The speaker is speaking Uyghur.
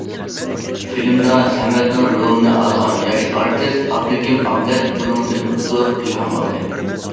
فىلىمدا سەمەتنىڭ رولىنى ئالغان ياش ئارتىس ئابلىكىم ئابلەت بۇنىڭدىن زور ئىلھام ئالدى.